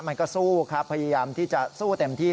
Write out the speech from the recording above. มันก็สู้ครับพยายามที่จะสู้เต็มที่